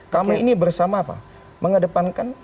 kami ini bersama mengedepankan